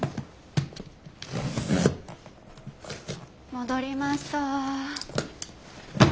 戻りました。